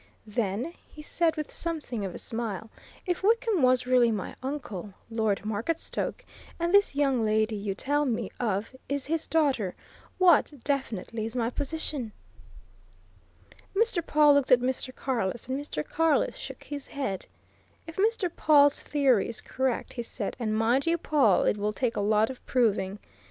"Then," he said, with something of a smile, "if Wickham was really my uncle, Lord Marketstoke, and this young lady you tell me of is his daughter what, definitely, is my position?" Mr. Pawle looked at Mr. Carless, and Mr. Carless shook his head. "If Mr. Pawle's theory is correct," he said, "and mind you, Pawle, it will take a lot of proving.